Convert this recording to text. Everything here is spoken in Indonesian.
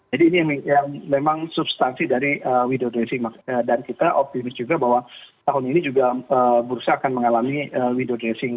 jadi ini memang substansi dari window dressing dan kita optimis juga bahwa tahun ini juga bursa akan mengalami window dressing